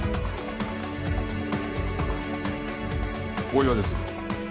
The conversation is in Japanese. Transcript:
大岩です。